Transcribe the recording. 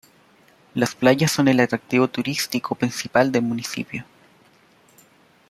Las playas son el atractivo turístico principal del municipio.